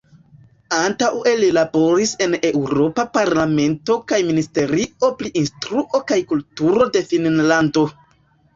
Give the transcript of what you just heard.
Antaŭe li laboris en Eŭropa Parlamento kaj ministerio pri instruo kaj kulturo de Finnlando.